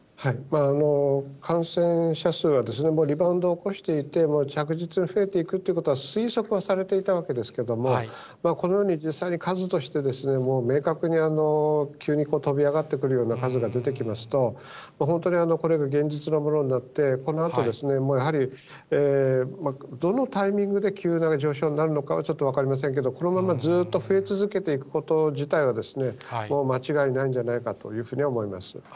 感染者数はリバウンドを起こしていて、着実に増えていくということは、推測はされていたわけですけれども、このように、実際に数として、もう明確に急に飛び上がってくるような数が出てきますと、本当にこれが現実のものになって、このあと、やはりどのタイミングで急な上昇になるのか、ちょっと分かりませんけど、このままずっと増え続けていくこと自体は、間違いないんじゃないかというふうには思います。